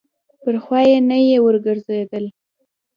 پر خوا یې نه یې ورګرځېدل.